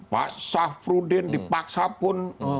pak safrudin dipaksa pun